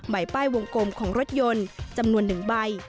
ใบป้ายวงกลมของรถยนต์จำนวน๑ใบ